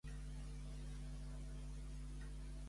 En quin centenni va existir?